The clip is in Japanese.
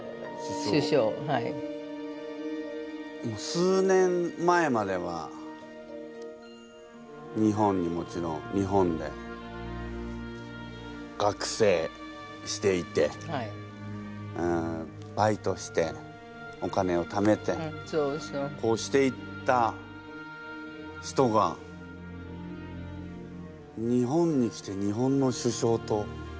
数年前までは日本にもちろん日本で学生していてバイトしてお金をためてこうしていった人が日本に来て日本の首相と。